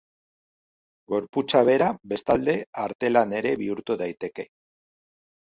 Gorputza bera, bestalde, artelan ere bihurtu daiteke.